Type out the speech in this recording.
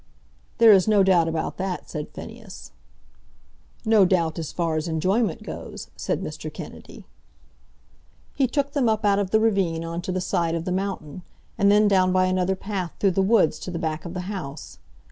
"There is no doubt about that," said Phineas. "No doubt as far as enjoyment goes," said Mr. Kennedy. He took them up out of the ravine on to the side of the mountain, and then down by another path through the woods to the back of the house.